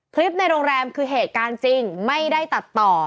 ในโรงแรมคือเหตุการณ์จริงไม่ได้ตัดต่อ